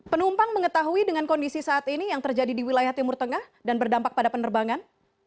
penumpang mengetahui dengan kondisi saat ini yang terjadi di wilayah timur tengah dan berdampak pada penerbangan